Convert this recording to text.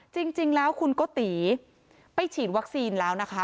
จริงแล้วคุณโกติไปฉีดวัคซีนแล้วนะคะ